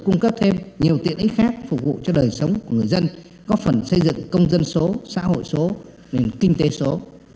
cung cấp thêm nhiều tiện ích khác phục vụ cho đời sống của người dân có phần xây dựng công dân số xã hội số nền kinh tế số